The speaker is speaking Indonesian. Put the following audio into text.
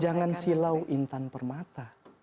jangan silau intan permata